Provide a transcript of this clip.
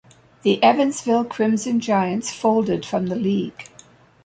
The Evansville Crimson Giants folded from the league.